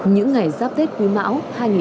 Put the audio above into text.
những ngày giáp tết quý mão hai nghìn hai mươi